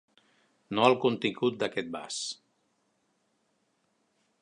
No el contingut d'aquest vas.